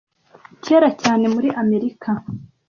Kera cyane muri Amerika